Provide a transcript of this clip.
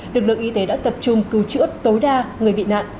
lực lượng y tế đã tập trung cứu chữa tối đa người bị nạn